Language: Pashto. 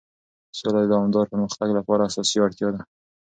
سوله د دوامدار پرمختګ لپاره اساسي اړتیا ده.